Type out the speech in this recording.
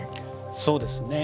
そうですね。